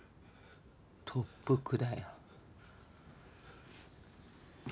特服だよ。